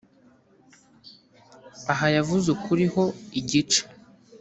aha yavuze ukuri ho igice